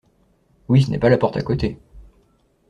Oui, ce n’est pas la porte à côté.